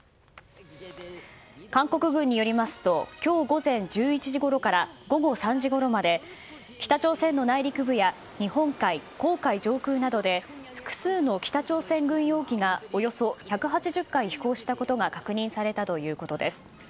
韓国軍によりますと今日午前１１時ごろから午後３時ごろまで北朝鮮の内陸部や日本海、黄海上空などで複数の北朝鮮軍用機などがおよそ１８０回飛行したことが確認されたということです。